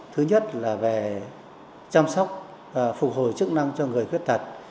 thứ nhất là về chăm sóc phục hồi chức năng cho người khuyết tật